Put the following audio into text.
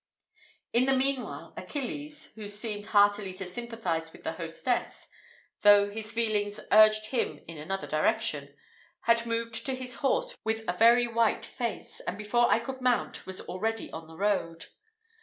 In the meanwhile, Achilles, who seemed heartily to sympathise with the hostess, though his feelings urged him in another direction, had moved to his horse with a very white face; and before I could mount, was already on the road.